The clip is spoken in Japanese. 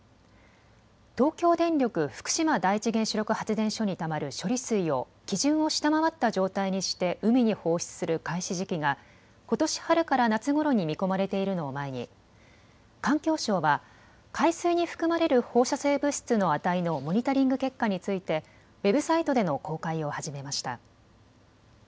東京電力福島第一原子力発電所にたまる処理水を基準を下回った状態にして海に放出する開始時期がことし春から夏ごろに見込まれているのを前に環境省は海水に含まれる放射性物質の値のモニタリング結果についてウェブサイトでの公開を始めました。